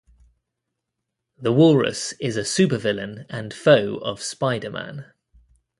The Walrus is a supervillain and foe of Spider-Man.